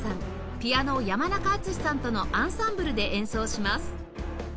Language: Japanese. ピアノ山中惇史さんとのアンサンブルで演奏します